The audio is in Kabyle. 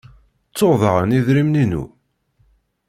Ttuɣ daɣen idrimen-inu?